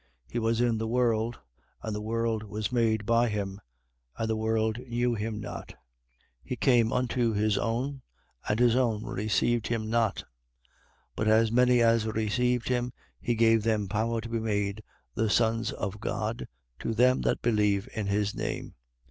1:10. He was in the world: and the world was made by him: and the world knew him not. 1:11. He came unto his own: and his own received him not. 1:12. But as many as received him, he gave them power to be made the sons of God, to them that believe in his name.